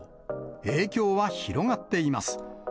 影響は広がっています。